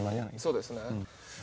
そうですね。